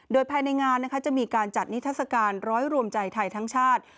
โดยภายในงานจะมีการจัดนิทัศกาลร้อยรวมใจไทยทั้งชาติ